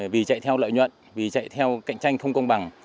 vì chạy theo lợi nhuận vì chạy theo cạnh tranh không công bằng